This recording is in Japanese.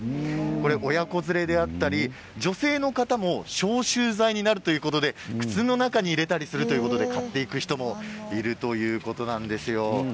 親子連れや女性の方も消臭剤になるということで靴の中に入れたりするということで買っていく人もいるそうです。